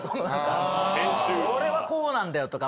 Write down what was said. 「俺はこうなんだよ」とか。